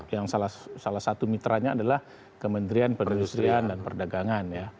yang salah satu mitranya adalah kementerian perindustrian dan perdagangan ya